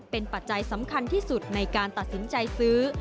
เป็นปัจจัยสำคัญที่สุดในการตัดสินใจซื้อ